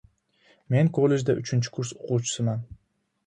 Men kollejda uchinchi kurs oʻquvchisiman.